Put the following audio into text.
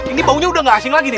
ini baunya udah gak asing lagi nih